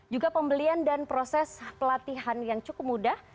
juga pembelian dan proses pelatihan yang cukup mudah